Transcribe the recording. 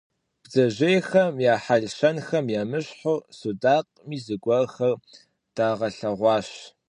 Бдзэжьейхэм я хьэл-щэнхэм емыщхьу судакъми зыгуэрхэр далъэгъуащ.